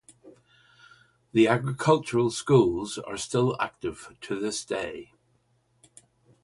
The agricultural schools are still active to this day.